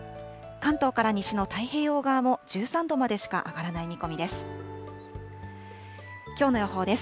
関東から西の太平洋側も１３度までしか上がらない見込みです。